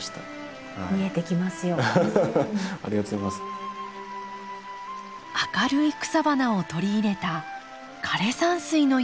明るい草花を取り入れた枯れ山水のような景色です。